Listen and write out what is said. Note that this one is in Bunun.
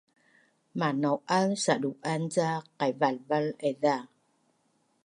Manau’az sadu’an ca qaivalval aiza?